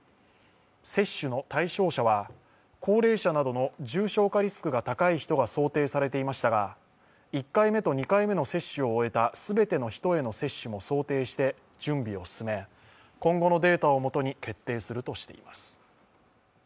接種の対象者は高齢者などの重症化リスクが高い人が想定されていましたが１回目と２回目の接種を終えた全ての人への接種も想定して準備を進め、今後のデータをもとに決定するとしています。